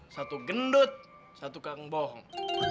satu gendut satu kang bohong